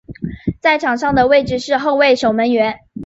在场上的位置是后卫守门员。